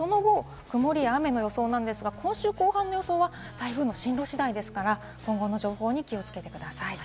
その後、曇りや雨の予想なんですが、今週の後半の予想は、台風の進路次第ですから、今後の情報に気をつけてください。